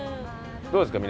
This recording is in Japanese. どうですか？